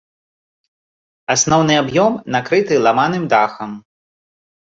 Асноўны аб'ём накрыты ламаным дахам.